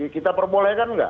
kita perbolehkan nggak